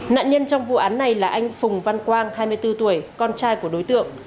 nạn nhân trong vụ án này là anh phùng văn quang hai mươi bốn tuổi con trai của đối tượng